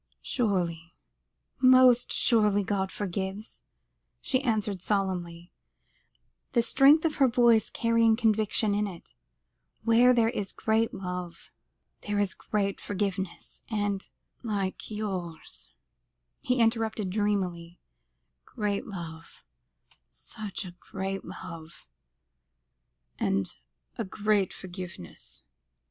"Surely, most surely, God forgives," she answered solemnly, the strength of her voice carrying conviction with it; "where there is a great love, there is great forgiveness, and " "Like yours," he interrupted dreamily; "great love such a great love and a great forgiveness.